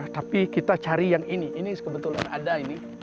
tapi kita cari yang ini ini kebetulan ada ini